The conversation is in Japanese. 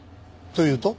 というと？